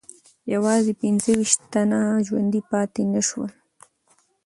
یوازې پنځه ویشت تنه ژوندي پاتې نه سول.